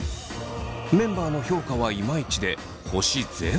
メンバーの評価はイマイチで星ゼロ。